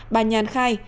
bà nhàn khai